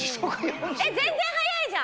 全然速いじゃん。